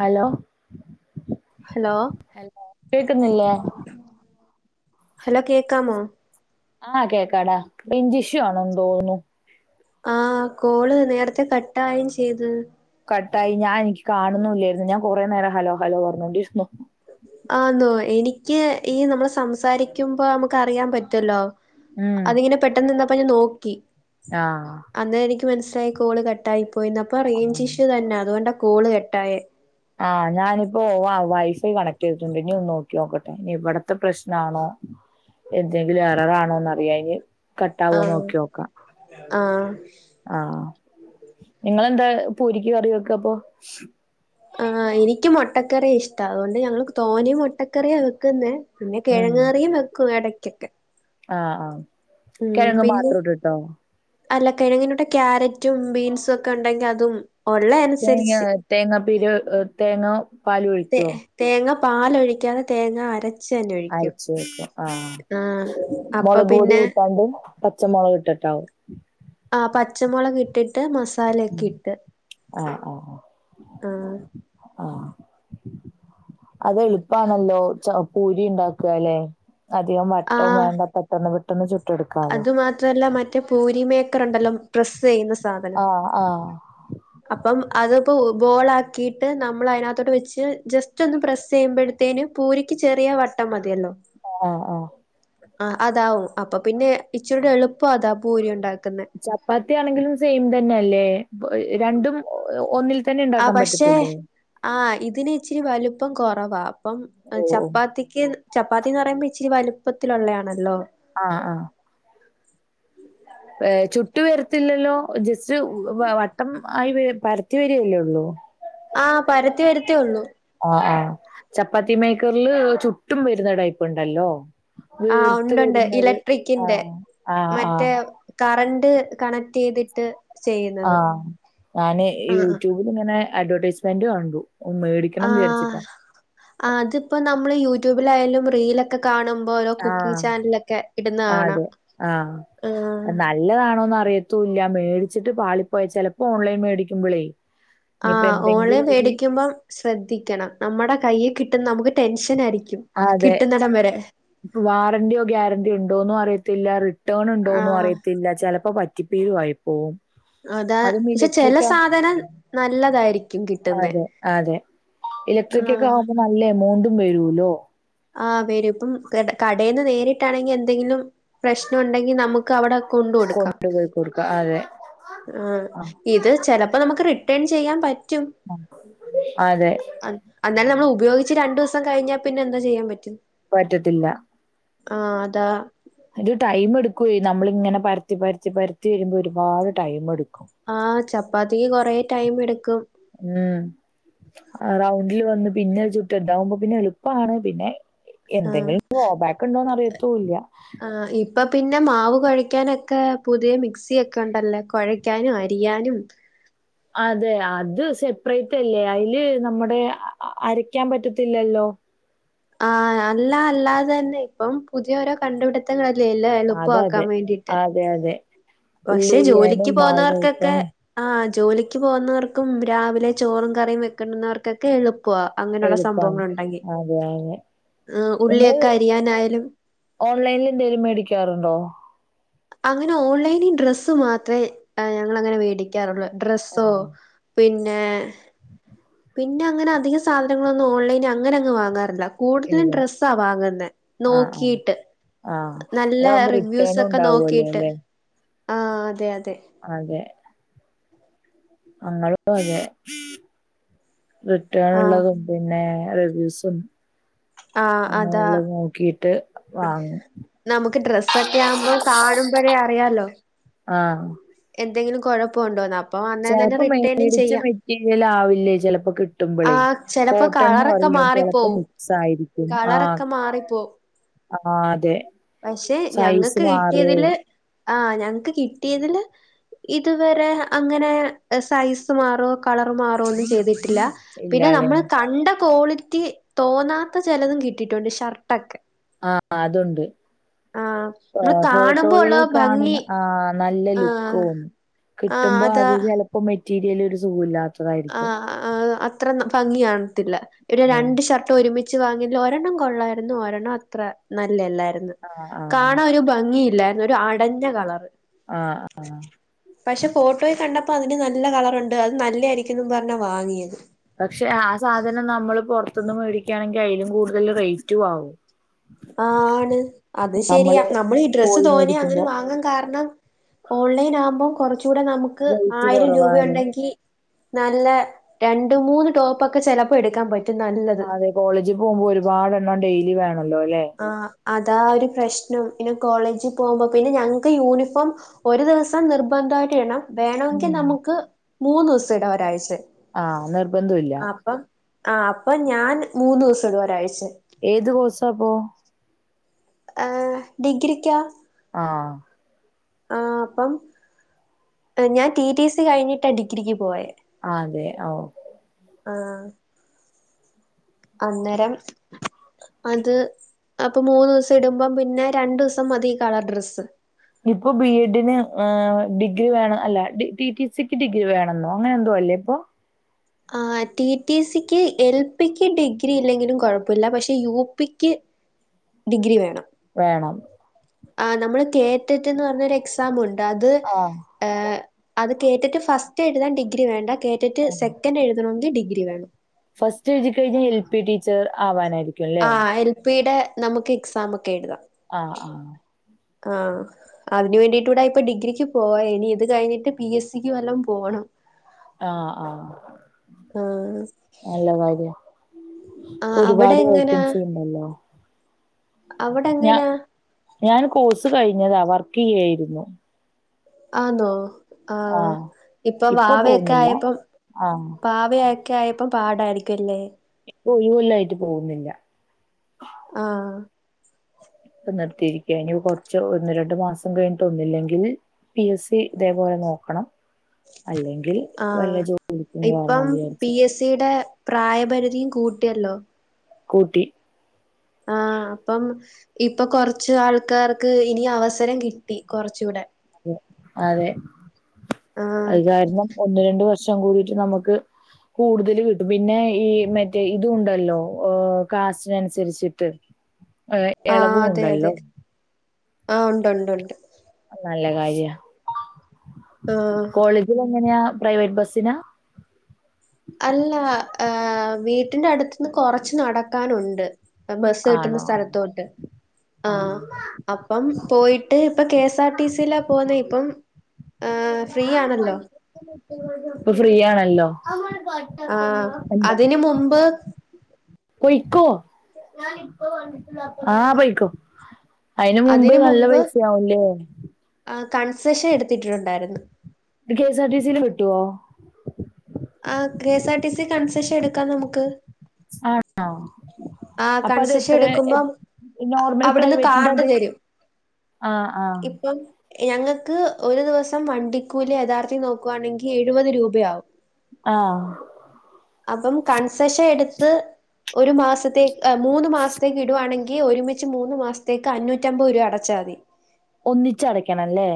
Hello hello hello കേക്കുന്നില്ലേ hello കേക്കാമോ ആഹ് കേക്കാടാ റേഞ്ചിഷു ആണന്ന് തോന്നുന്നു ആ കോള് നേരത്തെ കട്ടായും ചെയ്ത് കട്ടായി ഞാൻ എനിക്ക് കാണുന്നുല്ലായിന്നു ഞാൻ കുറേ നേരം ഹലോ ഹലോ പറഞ്ഞോണ്ടിരുന്നു ആന്നോ എനിക്ക് ഈ നമ്മള് സംസാരിക്കുമ്പോ നമുക്ക് അറിയാൻ പറ്റല്ലോ ഉം അതിങ്ങനെ പെട്ടെന്ന് നിന്നപ്പൊ ഞാൻ നോക്കി ആഹ് അന്ന് എനിക്ക് മനസ്സിലായി കോള് കട്ടായി പോയിന്ന് അപ്പൊ റേഞ്ച് ഇഷ്യൂ തന്നെ അതുകൊണ്ടാ കോള് കട്ടായെ ആായേ ആഹ് ഞാനിപ്പോ വൈഫൈ കണക്ട് ചെയ്തിട്ടുണ്ട് ഇനി ഒന്ന് നോക്കി നോക്കട്ടെ ഇനി ഇവിടത്തെ പ്രശ്നാണോ എന്തെങ്കിലും എററാണോന്ന് അറിയാന് കട്ടാവോന്ന് ആഹ് നോക്കി നോക്കാം ആഹ് ആഹ് നിങ്ങെന്താ പൂരിക്ക് കറി വെക്ക അപ്പൊ ആ എനിക്ക് മുട്ടക്കറി ഇഷ്ടം അതുകൊണ്ട് ഞങ്ങൾ തോന്നേ മുട്ടക്കറിയാ വെക്കുന്നേ പിന്നെ ഉം കിഴങ്ങ് കറിയും വെക്കും ഇടയ്ക്ക് ആഹ് ഉം കിഴങ്ങ് പിന്നെ മാത്രം ഇട്ടിട്ടോ അല്ല കിഴങ്ങിൻ്റെകൂടെ ക്യാരറ്റും ബീൻസും ഒക്കെ ഉണ്ടെങ്കി അതും ഉള്ള തേങ്ങ അനുസരിച്ച് തേങ്ങാ പീരു തേങ്ങ പാല് തേ ഒഴിക്കൊ തേങ്ങ പാലൊഴിക്കാതെ തേങ്ങ അര അരച്ചു ഒഴിക്കുംആ ആഹ് അപ്പൊ മുളക് പൊടി പിന്നെ കൂട്ടാതെ പച്ചമുളക് ഇട്ടിട്ടൊ ആഹ് പച്ചമുളക് ഇട്ടിട്ട് മസാല ഒക്കെ ഇട്ട് ആഹ് ആഹ് അത് എളുപ്പാണല്ലോ പൂരി ഉണ്ടാക്കല്ലേ അധികം വട്ടം ആഹ് വേണ്ട പെട്ടെന്ന് പെട്ടന്ന് ചുട്ട് എടുക്കാലോ അത് മാത്രല്ല മറ്റേ പൂരിമേക്കർ ഉണ്ടല്ലോ പ്രസ് ചെയ്യുന്ന സാധനം ആ ആ അപ്പം അതിപ്പോ ബോളാക്കിയിട്ട് നമ്മൾ അയിനകത്തോട്ട് വെച്ച് ജസ്റ്റ് ജസ്റ്റൊന്ന് പ്രസ് ചെയ്യുമ്പോഴത്തേനും പൂരിക്ക് ചെറിയ വട്ടം മതിയല്ലോ ആ ആ ആ അതാവും അപ്പൊ പിന്നെ ഇച്ചുടെ എളുപ്പം അതാ ഭൂരി ഉണ്ടാക്കുന്നെ ചപ്പാത്തിയാണെങ്കിലും സെയിം തന്നെ അല്ലേ രണ്ടും ഒന്നിൽ തന്നെ ആ ഉണ്ടാക്കാൻ പക്ഷേ പറ്റത്തില്ലേ ആ ഇതിന് ഇച്ചിരി വലുപ്പം കൊറവാ അപ്പം ഓ ഓ ചപ്പാത്തിക്ക് ചപ്പാത്തിന്ന് പറയുമ്പോ ഇച്ചിരി വലുപ്പത്തിലുള്ളയാണല്ലോ ആഹ് ആഹ് ചുട്ട് വരത്തില്ലല്ലോ ജസ്റ്റ് വട്ടം ആയി പരത്തി വരില്ലോള്ളൂ ആഹ് പരത്തി വരത്തേ ഉള്ളൂ ആഹ് ആഹ് ചപ്പാത്തി മേക്കറില് ചുട്ടും വരുന്ന ടൈപ്പ് ഉണ്ടല്ലോ ആഹ് വീർത്ത് ഉണ്ട്ണ്ട് വരുന്നത് ഇലക്ട്രിക്കിന്റെ ആഹ് ആഹ് ആഹ് മറ്റേ കറണ്ട് കണക്ട് ചെയ്തിട്ട് ചെയ്യുന്നത് ആഹ ഞാന് ആഹ് യൂട്യൂബ് അങ്ങെ അഡവെർൈസ്മെന്റ് കണ്ടു മേടിക്കണം വിചാരിച്ചിട്ടാ അത്തിപ്പോ നമ്മള് യൂട്യൂബിലായാലും റീലൊക്കെ കാണുമ്പോ ഓരോ കുക്കിംഗ് ആഹ് ചാനൽ ഒക്കെ ഇടുന്നതാണ് അതെ ആഹ് നല്ലതാണോന്ന് അറിയത്തൂ ഇല്ല മേടിച്ചിട്ട് പാളപ്പോ പോയ ചിലപ്പോ ഓൺലൈൻ മേടിക്കുമ്പോളേ ആഹ് ഓൺലൈൻ മേടിക്കുമ്പം ശ്രദ്ധിക്കണം നമ്മുടെ കൈയിൽ കിട്ടുന്ന നമുക്ക് ടെൻഷൻ ആയിരിക്കും അതെ ന്നടം വരെ വാറന്റിയോ ഗ്യാരണ്ടി ഇണ്ടോന്നും അറിയത്തില്ല റിട്ടേൺ ഉണ്ടോന്നും ആഹ് അറിയത്തില്ല ചിലപ്പോ പ റ്റിപ്പേരു ആയി പോവും അതാ അതും പക്ഷെ ചില ഇലക്ട്രിക്ക സാധനം നല്ലതായിരിക്കും കിട്ടുന്നെ അതെ ഇലക്ട്രിക്ക്ക്കെ ആഹ് ആവുമ്പോ നല്ല എമൗണ്ടും വരൂലോ ആഹ് വരും ഇപ്പം കടേന്ന് നേരിട്ടാണെങ്കി എന്തെങ്കിലും പ്രശ്നം ഉണ്ടെങ്കിൽ നമുക്ക് അവിടെ കൊണ്ട കൊടുക്കാം കൊണ്ടുപോയി കൊടുക്ക അതെ ആ ഇത് ചെലപ്പോ നമുക്ക് റിട്ടേൺ ചെയ്യാൻ പറ്റും അതെ അന്നാലും നമ്മൾ ഉപയോഗിച്ച് രണ്ടു ദിവസം കഴിഞ്ഞാ പിന്നെ എന്താ ചെയ്യാൻ പറ്റും പറ്റത്തില്ല ആ അതാ ടൈം എടുക്കും നമ്മളിങ്ങനെ പരത്തി പരത്തി പരത്തി വരുമ്പോ ഒരുപാട് ടൈം എടുക്കും ആഹ ചപ്പാത്തിക്ക് കൊറേ ടൈം എടുക്കും ഉം ആ റൗണ്ടിൽ വന്ന് പിന്നെ ചുട്ടുണ്ടാവുമ്പോ പിന്നെ എളുപ്പമാണ് പിന്നെ എന്തെങ്കിലും ആഹ് ഗോബാക്ക് ഉണ്ടോന്ന് അറിയത്തൂല്ല ആഹ് ഇപ്പൊ പിന്നെ മാവ് കൊഴയ്ക്കാനൊക്കെ പുതിയ മിക്സിയൊക്കെ ഉണ്ടല്ലോ കൊഴയ്ക്കാനും അരിയാനും അതെ അത് സെപ്പറേറ്റ് അല്ലേ അയില് നമ്മുടെ അരക്കാൻ പറ്റത്തില്ലല്ലോ ആ അല്ല അല്ലാതെ തന്നെ ഇപ്പം പുതിയോരോ കണ്ടുപിടി ത്തങ്ങളല്ലേ എല്ലാം അതതെ അതെ എളുപ്പമാക്കാൻ വേണ്ടീട്ട് അതെ അതെ ഉള്ളി പക്ഷെ ജോലിക്ക് അരിയാനും മാവ് പോന്നവർക്കൊക്കെ കഴിക്കാനും ആ ജോലിക്ക് പോകുന്നവർക്കും രാവിലെ ചോറും കറിയും വെക്കണ്ടുന്നവർക്കൊക്കെ എളുപ്പവാ അങ്ങനെയുള്ള എളുപ്പമാണ് സംഭവങ്ങൾ ഉണ്ടെങ്കിൽ അതെ അതെ ഏഹ നിങ്ങൾ ഉള്ളിയൊക്കെ അരിയാനായാലും ഓൺലൈനിൽ എന്തേലും മേടിക്കാറുണ്ടോ അങ്ങനെ ഓൺലൈനിൽ ഡ്രസ്സ് മാത്രേ ഏ ഞങ്ങളങ്ങനെ മേടിക്കാറുള്ളൂ ഡ്രസ്സോ ആഹ് പിന്നെ പിന്നെ അങ്ങനെ അധിക സാധനങ്ങളൊന്നും ഓൺലൈന് അങ്ങന അങ്ങ് വാങ്ങാറില്ല കൂടുതലും ഇല്ല ഡ്രെസ്സാ വാങ്ങുന്നേ ആഹ് ആഹ് നോക്കീട്ട് ആഹ് നല്ല അതാവുമ്പോ റിവ്യൂസ് റിട്ടേണും ഒക്കെ ഉണ്ടാവുമല്ലോ നോക്കീട്ട് അല്ലെ ആ അതെ അതെ അതെ ഞങ്ങളും അതെ റിട്ടേൺ ആ ഇള്ളതും പിന്നെ റിവ്യൂസും ആ അതാ അങ്ങനെയുള്ളത് നോക്കീട്ട് വാങ്ങും നമുക്ക് ഡ്രസ്സെക്കെ ആവുമ്പോ കാണുമ്പോഴേ അറിയാലോ ആഹ എന്തെങ്കിലും കൊഴപ്പണ്ടോന്ന് ചയലപ്പോ മേടിച്ച മെറ്റീരിയൽ ആവില്ലേ ചെലപ്പോ ആ കിട്ടുമ്പളേ കോ ചെലപ്പോ ട്ടൺന്ന് കളറൊക്കെ പറയും ചെലപ്പ മാറിപ്പോവും മിക്സ് ആയിരിക്കും ആ കളറൊക്കെ മാറിപ്പോവും ആ അതെ പക്ഷെ സൈസ് ഞങ്ങക്ക് മാറും കിട്ടിയതില് ആഹ ഞങ്ങക്ക് കിട്ടിയതില് ഇതുവരെ അങ്ങനെ സൈസ് മാറുവോ കളർ മാറുവോ ഒന്നും ചെയ്തിട്ടില്ല പിന്നെ ഇല്ലാലെ നമ്മള് കണ്ട ക്വാളിറ്റി തോന്നാത്ത ചെലതും കിട്ടീട്ടുണ്ട് ഷർട്ടൊക്കെ ആ അതുണ്ട് ആഹ് ആ നമ്മള് കാണുമ്പോ ഉള്ള ഫോട്ടോയിൽ കാണുന്ന ഭംഗി ആ നല്ല ആഹ് ലുക്കും ആഹ് കിട്ടുമ്പോ അതാ അത് ചെലപ്പോ മെറ്റീരിയല് ഒരു സുഖുല്ലാ ആ ആ അത്ര ഭംഗി കൺത്തില്ല പിന്നെ ഉം. രണ്ട് ഷർ ട്ടൊരുമിച്ച് വാങ്ങിയ്ല് ഒരെണ്ണം കൊള്ളായിരുന്നു ഒരെണ്ണം അത്ര നല്ലെല്ലായിരുന്നു ആഹ് ആഹ് കാണാരു ഭംഗിയില്ലായിരുന്നു. ഒരു അടഞ്ഞ കളറ്. ആഹ് പക്ഷേ ഫോട്ടോയ് കണ്ടപ്പോ അതിന് നല്ല കളറ്ണ്ട്. അത് നല്ലായിരിക്കും. തിം പറഞ്ഞാ വാങ്ങിയത്. പക്ഷേ ആ സാധനം നമ്മള് പെർത്ത്ന്ന് മേടിക്കാണെങ്കി അയിലും കൂടുതൽ റെയ്റ്റുആവും. ആണ് അത് ശെരിയാ നമ്മള് നമ്മളീ ഡ്രസ്സ് പോയി തോനെയാ അങ്ങനെ മേടിക്കുമ്പോ വാങ്ങാൻ കാരണം ഓൺലൈൻ ആവുമ്പം കെർച്ചൂടെ നമുക്ക് റേറ്റ് ആയിരം കൊറവാണ് രൂപണ്ടെങ്കി നല്ല രണ്ട് മൂന്ന് ടോപ്പൊക്കെ ചെലപ്പോ എടുക്കാൻ പറ്റും നല്ലത്. കോളേജീപോകുമ്പോ ഒരുപാടെണ്ണം ഡെയ്ലി വേണല്ലോല്ലെ. ആഹ് അതാ ഒരു പ്രശ്നം പിന്നെ കോളേജീ പോകുമ്പോ പിന്നെ ഞങ്ങക്ക് യൂണിഫോം. ഒരു ദിവസം നിർബന്ധായിട്ട്ടെണം വേണെങ്കിൽ ഉം. നമുക്ക് മൂന്നൂസം ഇടാ ഒരാഴ്ചേൽ ആഹ് നിർബന്ധോല്ല. ആഹ് അപ്പ ഞാൻ മൂന്നൂസടും ഒരാഴ്ച. ഏത് കേഴ്സാപൊ ഏ ഡിഗ്രിക്കാ. ആഹ്. ആഹ് പ്പം ഞാൻ ടി ടി സി കഴിഞ്ഞിട്ടാ ഡിഗ്രിക്ക് പോയെ ആതെ ഓഹ് ആഹ് അന്നേരം. അത് അപ്പൊ മൂന്നൂസടുമ്പം പിന്നെ രണ്ടൂസം മതീ കളർ ഡ്രസ്സ്. ഇപ്പേ ബി എ ഡിന് ഏ ഡിഗ്രി വേണം അല്ല ടി ടി സിക്ക് ഡിഗ്രി വേണെന്നോ അങ്ങനെ എന്തോ അല്ലെപ്പൊ. ആഹ് ടി ടി സിക്ക് എൽ പിക്ക് ഡിഗ്രി ഇല്ലെങ്കിലും കെഴപ്പല്ല പക്ഷേ യു പിക്ക് ഡിഗ്രി വേണം. വേണം. ആഹ് നമ്മള് കേതെറ്റ്ന്ന് പറഞ്ഞെരു എക്സാമ്ണ്ട് അത്. ആഹ് ഏ അത് കേട്ടിട്ട് ഫസ്റ്റെഴുതാൻ ഡിഗ്രി വേണ്ട കേ തെറ്റ് ആഹ് സെക്കെൻ്റ് എഴുതണെങ്കി ഡിഗ്രി വേണം. ഫസ്റ്റ് എഴുതികഴിഞ്ഞാൽ എൽ പി ടീച്ചർ ആവാനായിരിക്കും. അല്ലേ ആഹ് എൽ പി ടെ നമുക്ക് എക്സാമെക്കെ എഴുതാ ആഹ് ആഹ്. ആഹ് അതിനു വേണ്ടിയിട്ടൂടായിപ്പ ഡിഗ്രിക്ക് പോയേനിത് കഴിഞ്ഞിട്ട് പി എസ് സി ക്ക് വല്ലേം പോണം. ആഹ് ആഹ് ആഹ് നല്ല കാര്യാ ആഹ് അവിടെ ഒരുപാട് എങ്ങനാ വേക്കൻസി ണ്ടല്ലോ അവിടെ ഞാ എങ്ങനാ ഞാൻ കോഴ്സ് കഴിഞ്ഞതാ വർക്ക് ചെയ്യായിരുന്നു. ആന്നോ ആഹ് ഇപ്പൊ വാവയൊക്കെ ആയപ്പേ ആഹ് പാവയായി ക്കയായപ്പെ പാടായിരിക്കുല്ലേ ഒരുകൊല്ലായിട്ട് പോവുന്നില്ല. ആഹ് പ്പ നിർത്തിയിരിക്കാ ഇനി കെർച്ച് ഒന്ന് രണ്ടു മാസം കഴിഞ്ഞിട്ട് ഒന്നില്ലെങ്കിൽ. പി. എസ്. സി ഇതേപോലെ നോക്കണം അല്ലെങ്കിൽ വല്ല ആഹ് ജോലിക്കും കേറണം ഇപ്പം വിചാരിച്ച് പി എസ് സി യുടെ പ്രായപരിധിയും കൂട്ടൃല്ലോ. കൂട്ടി. ആഹ് അപ്പം ഇപ്പൊ കൊറച്ച് ആൾക്കാർക്ക് ഇനി അവസരം കിട്ടി കൊറച്ചുകൂടെ അതെ ആഹ് അത് കാരണം ഒന്ന് രണ്ട് വർഷം കൂടീട്ട് നമുക്ക് കൂടുതൽ കിട്ടും പിന്നെ ഈ മറ്റേ ഇതുണ്ടല്ലോ കാസ്റ്റിനനുസരിച്ചിട്ട് ഏ ആഹ് അതെ അതെ ആഹ് ഉണ്ട് ഉണ്ട്ണ്ട് നല്ല കാര്യാ ആഹ് കോളേജിൽ എങ്ങനെയാ പ്രൈവറ്റ് ബസ്സിനാ അല്ല വീട്ടിന്റെ അടുത്ത് നിന്ന് കൊറച്ച് നടക്കാനുണ്ട് ബസ്സ് കിട്ടുന്ന ആണോ സ്ഥലത്തോട്ട് ആ ആഹ് അപ്പം പോയിട്ട് ഇപ്പ കെ എസ് ആർ ടി സിയിലാ പോവുന്ന് ഇപ്പം ഏഫ്രീ ആണല്ലോ ഇപ്പ ഫ്രീ ആണല്ലോ ആഹ് അതിന് മുമ്പ് പോയ്ക്കോ ആ പോയ്ക്കോ അയിന് മുമ്പ് നല്ല പൈസയാവുല്ലേ ആ കൺസെഷൻ എടുത്തിട്ടുണ്ടായിരുന്നു കെഎസ് ആർ ടി സി യിൽ കിട്ടുവോ ആ K S R T C concession എടുക്കാം നമുക്ക് ആണോ ആഹ് അപ്പൊ അത് കൺസെഷൻ എത്രേ എടുക്കുമ്പം അ- നോർമൽ അവിടുന്ന് പ്രൈവറ്റിന്റെ കാർഡ് അതേ തരും. ആ ആ ഞങ്ങൾക്ക് ഒരു ദിവസം വണ്ടിക്കൂലി യഥാർത്ഥം നോക്കുവാണെങ്കിൽ എഴുപത് രൂപയാവും ആ അപ്പം കൺസെഷൻ എടുത്ത് ഒരു മാസ ത്തേ മൂന്ന് മാസത്തേക്ക് ഇടുവാണെങ്കിൽ ഒരുമിച്ച് മൂന്ന് മാസത്തേക്ക് അഞ്ഞൂറ്റമ്പത് രൂപ അടച്ചാൽ മതി ഒന്നിച്ചടക്കണം ല്ലേ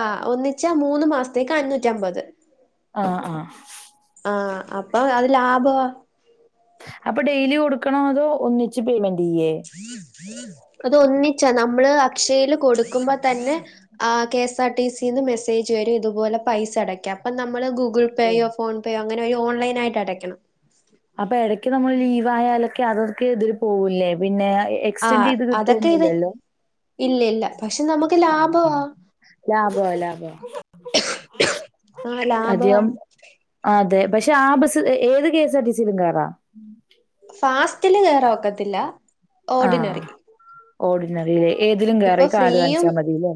ആ ഒന്നിച്ചാ മൂന്ന് മാസത്തേക്ക് അഞ്ഞൂറ്റമ്പത് ആ ആ ആ അപ്പൊ അത് ലാഭാ അപ്പൊ ഡെയിലി കൊടുക്കണോ അതോ ഒന്നിച്ച് പേയ്മെന്റ് യ്യേ അത് ഒന്നിച്ചാ നമ്മള് അക്ഷയില് കൊടുക്കുമ്പോ തന്നെ ആ കെഎസ്ആർ ടി സി നിന്ന് മെസ്സേജ് വരും ഇതുപോലെ പൈസ അടക്കാൻ അപ്പ നമ്മള് ഗൂഗിൾപേയോ ഫോൺ പേയോ അങ്ങനെ ഓൺലൈനായിട്ട് അടയ്ക്കണം അപ്പൊ ഇടയ്ക്ക് നമ്മൾ ലീവ് ആയാലൊക്കെ അതൊക്കെ ഇതില് പോവൂല്ലേ പിന്നെ എക്സൻ്റ് ആഹ് ചെയ്ത് അതൊക്കെ ഇത് കിട്ടോന്നില്ലല്ലോ ഇല്ല ഇല്ല പക്ഷെ നമുക്ക് ആ ആ ലാഭവാ ലാഭാ ലാഭാ ആ ലാഭവാ ആ അതെ പക്ഷെ ആ ബസ് ഏത് കെ എസ് ആർ ടി സും കേയറാ ഫാസ്റ്റില് കേറാൻ ഒക്കത്തില്ല ആ ഓർഡിനറി ഓർഡിനറിയിലേ ഏതിലും കയറാ ഈ കാഡ് കാണിച്ചാൽ മതില്ലേ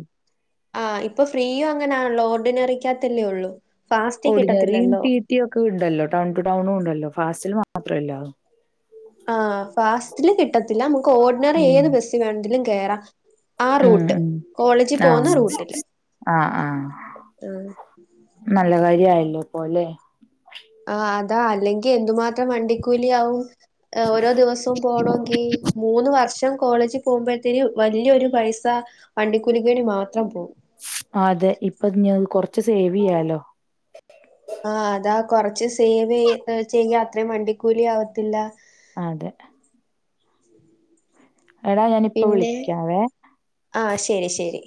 ആ ഇപ്പൊ ഫ്രീ അങ്ങനെയാണല്ലോ ഓർഡിനറിക്കകത്തല്ലേ ഉള്ളൂ ഫാസ്റ്റ് കിട്ടത്തില്ലല്ലോ സിറ്റിയൊക്കെ ഉണ്ടല്ലോ ടൗൺ ടു ടൗണും ഉണ്ടല്ലോ ഫാസ്റ്റിൽ മാത്രമില്ല ആ ഫാസ്റ്റില് കിട്ടത്തില്ല നമുക്ക് ഓർഡിനറി ഏത് ഉം ബസ്സിൽ വേണമെങ്കിലും കേറാം ആ ഉം റൂട്ട് ഉം കോളേജിൽ പോവുന്ന ആഹ് റൂട്ട്ല് ആഹ് ആഹ് ആ നല്ല കാര്യ ആയല്ലോ ഇപ്പോലെ ആ അതാ അല്ലെങ്കിൽ എന്തുമാത്രം വണ്ടിക്കൂലി ആവും ഓരോ ദിവസവും പോണോങ്കിൽ മൂന്ന് വർഷം കോളേജ് പോകുമ്പോഴത്തേന് വലിയൊരു പൈസ വണ്ടിക്കുലിക്ക് വേണ്ടി മാത്രം പോവും അതെ ഇപ്പ കൊറച്ച് സേവ് യ്യാലോ ആ അതാ കൊറച്ച് സേവ് ചെയ്ത് ചെയ്യാ അത്രയും വണ്ടിക്കൂലി ആവത്തില്ല അതെ എടാ ഞാനിപ്പ വിളിക്കാവെ ആ ശരി ശരി